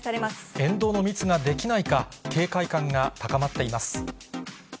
沿道の密が出来ないか、警戒感が高まっています。